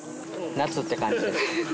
夏って感じです。